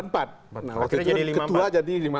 nah waktu itu ketua jadi lima empat